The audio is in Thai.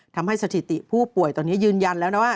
สถิติผู้ป่วยตอนนี้ยืนยันแล้วนะว่า